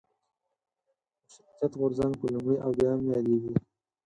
مشروطیت غورځنګ په لومړي او دویم یادېږي.